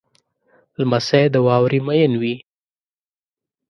لمسی د واورې مین وي.